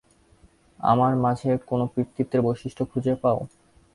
আমার মাঝে কোনো পিতৃত্বের বৈশিষ্ট্য খুঁজে পাও?